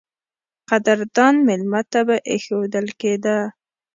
قدردان مېلمه ته به اېښودل کېده.